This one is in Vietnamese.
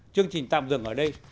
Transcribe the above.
chương trình tạm dừng ở đây